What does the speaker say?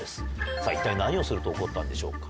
さあ、一体何をすると怒ったんでしょうか。